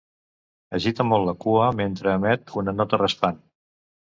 Agita molt la cua mentre emet una nota raspant.